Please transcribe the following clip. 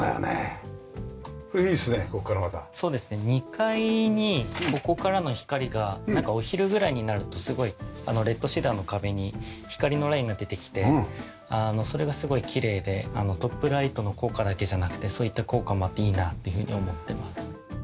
２階にここからの光がなんかお昼ぐらいになるとすごいレッドシダーの壁に光のラインが出てきてそれがすごいきれいでトップライトの効果だけじゃなくてそういった効果もあっていいなというふうに思ってます。